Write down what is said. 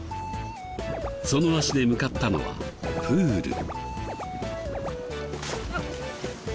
その足で向かったのはプール。